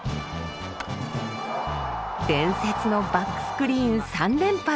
伝説のバックスクリーン３連発！